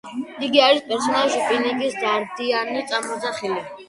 იგი არის პერსონაჟ პინკის დარდიანი წამოძახილი.